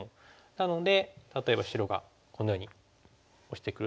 なので例えば白がこのようにオシてくると。